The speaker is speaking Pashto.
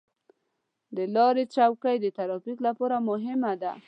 د لارې چوکۍ د ترافیک لپاره مهمه ده.